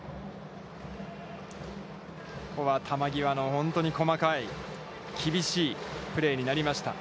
ここは球際の本当に細かい、厳しいプレーになりました。